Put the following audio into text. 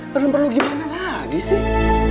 belum perlu gimana lagi sih